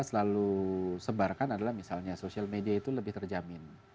kita selalu sebarkan adalah misalnya social media itu lebih terjamin